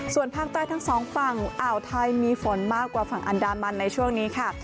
ส่วนภาคใต้ทั้งสองฝั่งอ่าวไทยมีฝนมากกว่าฝั่งอันดามันในช่วงนี้ค่ะ